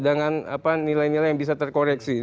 dengan nilai nilai yang bisa terkoreksi